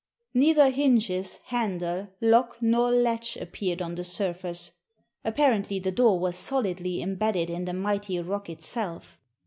Neither hinges, handle, lock, nor latch appeared on the surface; apparently the door was solidly embedded in the mighty rock itself.